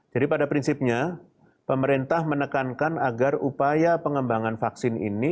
jadi pada prinsipnya pemerintah menekankan agar upaya pengembangan vaksin ini